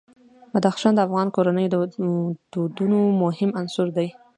بدخشان د افغان کورنیو د دودونو مهم عنصر دی.